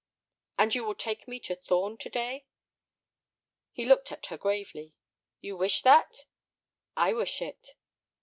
"And you will take me to Thorn to day?" He looked at her gravely. "You wish that?" "I wish it."